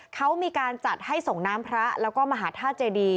เขามีการจัดให้ส่งน้ำพระแล้วก็มหาธาตุเจดี